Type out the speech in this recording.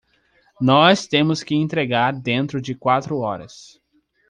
Nós temos que entregar dentro de quatro horas